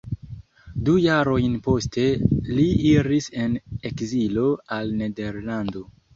Du jarojn poste li iris en ekzilo al Nederlando.